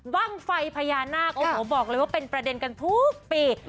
บ้างไฟพญานาคโอ้โหบอกเลยว่าเป็นประเด็นกันทุกปี